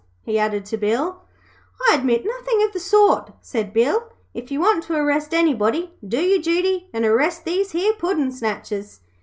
he added to Bill. 'I admit nothin' of the sort,' said Bill. 'If you want to arrest anybody, do your duty and arrest these here puddin' snatchers.